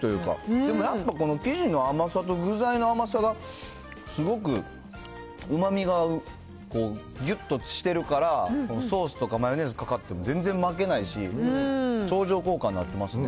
でもやっぱこの生地の甘さと具材の甘さが、すごくうまみがぎゅっとしてるから、ソースとかマヨネーズかかっても全然負けないし、相乗効果になってますね。